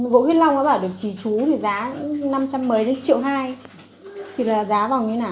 gỗ huyết long nó bảo được trì trú thì giá năm trăm một mươi đến triệu hai thì là giá vòng như thế nào